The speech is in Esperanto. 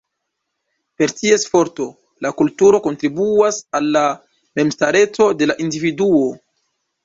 Per ties forto, la kulturo kontribuas al la memstareco de la individuo.